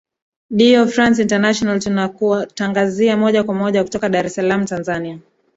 dio france international tunakutangazia moja kwa moja kutoka dar es saalm tanzania